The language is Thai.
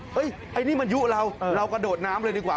ไอ้นี่มันยุเราเรากระโดดน้ำเลยดีกว่า